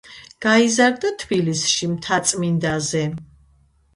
გაიზარდა თბილისში, მთაწმინდაზე.